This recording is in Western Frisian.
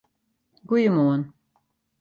Goeiemoarn!